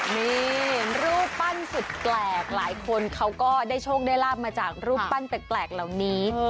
นี่รูปปั้นสุดแปลกหลายคนเขาก็ได้โชคได้ลาบมาจากรูปปั้นแปลกเหล่านี้